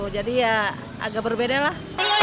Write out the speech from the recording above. jadi ya agak berbeda lah